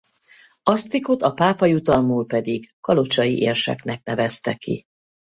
Asztrikot a pápa jutalmul pedig kalocsai érseknek nevezte ki.